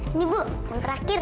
ini ibu yang terakhir